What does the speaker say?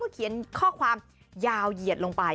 เขียนข้อความยาวเหยียดลงไป